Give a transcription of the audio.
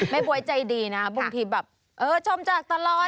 บ๊วยใจดีนะบางทีแบบเออชมจากตลอด